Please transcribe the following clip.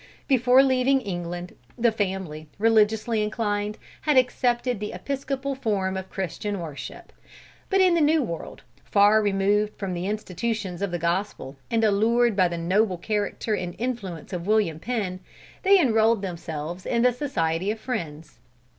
Before leaving England the family, religiously inclined, had accepted the Episcopal form of Christian worship. But in the New World, far removed from the institutions of the Gospel, and allured by the noble character and influence of William Penn, they enrolled themselves in the Society of Friends.